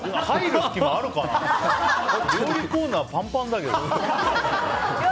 料理コーナーパンパンだけど。